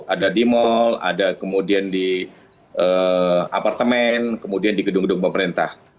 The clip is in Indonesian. ada di mal ada kemudian di apartemen kemudian di gedung gedung pemerintah